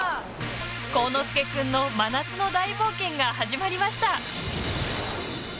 幸之介君の真夏の大冒険が始まりました。